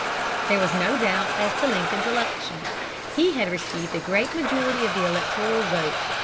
There was no doubt as to Lincoln's election. He had received a great majority of the electoral votes.